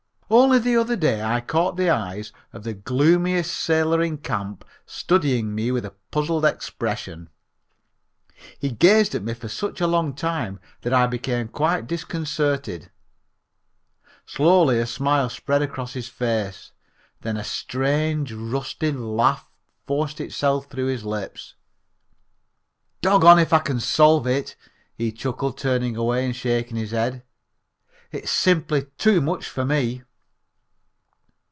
Only the other day I caught the eyes of the gloomiest sailor in camp studying me with a puzzled expression. He gazed at me for such a long time that I became quite disconcerted. Slowly a smile spread over his face, then a strange, rusty laugh forced itself through his lips. "Doggone if I can solve it," he chuckled, turning away and shaking his head; "it's just simply too much for me."